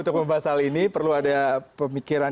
untuk membahas hal ini perlu ada pemikiran